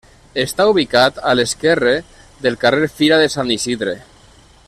Està ubicat a l'esquerre del carrer Fira de Sant Isidre.